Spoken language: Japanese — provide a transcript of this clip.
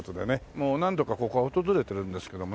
もう何度かここは訪れてるんですけどもね。